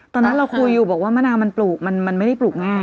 ตอนนั้นเราคุยอยู่บอกว่ามะนาวมันปลูกมันไม่ได้ปลูกง่าย